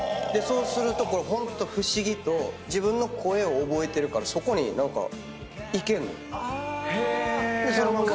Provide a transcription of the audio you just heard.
そうするとこれホント不思議と自分の声を覚えてるからそこに何かいけんの。